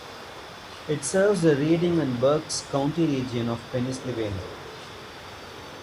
It serves the Reading and Berks County region of Pennsylvania.